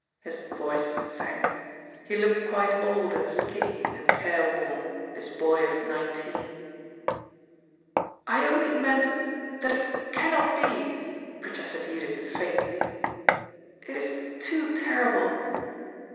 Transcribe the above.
His voice sank. He looked quite old and skinny and careworn, this boy of nineteen. *^ I only meant that it cannot be," protested Judith faintly. " It is too terrible."